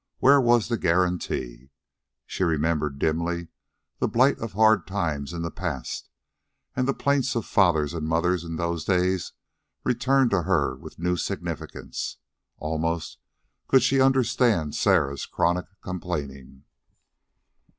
Where was the guaranty? She remembered, dimly, the blight of hard times in the past, and the plaints of fathers and mothers in those days returned to her with a new significance. Almost could she understand Sarah's chronic complaining.